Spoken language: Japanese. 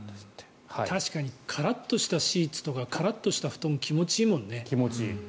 確かにカラッとしたシーツとかカラッとした布団は気持ちいいもんね。